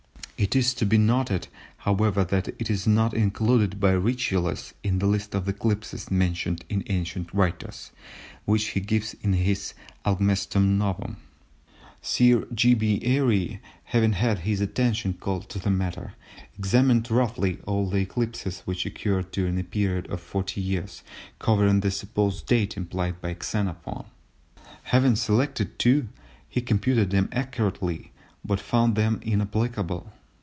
It is to be noted, however, that it is not included by Ricciolus in the list of eclipses mentioned in ancient writers which he gives in his Almagestum Novum. Sir G. B. Airy, having had his attention called to the matter, examined roughly all the eclipses which occurred during a period of 40 years, covering the supposed date implied by Xenophon. Having selected two, he computed them accurately but found them inapplicable.